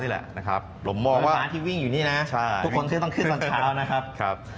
หลวงหม่อไม้ที่วิ่งอยู่นี้ค่ะที่ทุกคนก็ต้องขึ้นสันเช้า